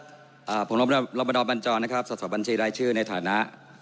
อย่างน้อยมาดานมันจอนะครับจะบันเชียบในฐานะ